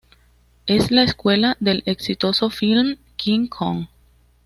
Es la secuela del exitoso film King Kong.